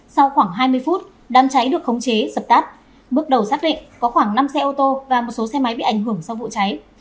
sau khoảng hai mươi phút đám cháy được khống chế dập tắt bước đầu xác định có khoảng năm xe ô tô và một số xe máy bị ảnh hưởng sau vụ cháy